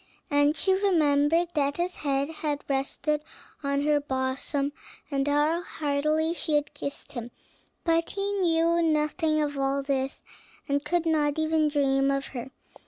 And she remembered that his head had rested on her bosom, and how heartily she had kissed him; but he knew nothing of all this, and could not even dream of her.